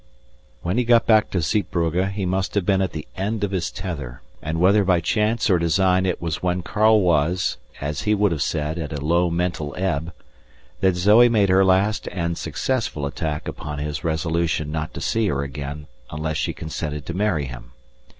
When he got back to Zeebrugge he must have been at the end of his tether, and whether by chance or design it was when Karl was, as he would have said, "at a low mental ebb" that Zoe made her last and successful attack upon his resolution not to see her again unless she consented to marry him.